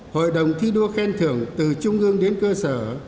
hội đồng thi đua khen thưởng từ trung ương đến cơ sở